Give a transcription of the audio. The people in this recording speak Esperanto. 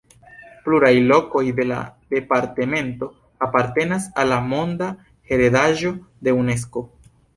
Pluraj lokoj de la departemento apartenas al la monda heredaĵo de Unesko.